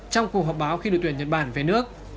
trong cuộc họp báo khi đội tuyển nhật bản về nước